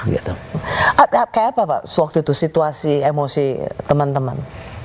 kayak apa pak waktu itu situasi emosi teman teman